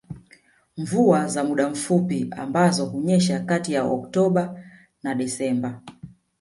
Mvua za muda mfupi ambazo hunyesha kati ya Oktoba na Desemba